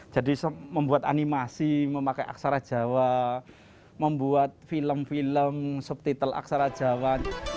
jadi membuat animasi memakai aksara jawa membuat film film subtitle aksara jawa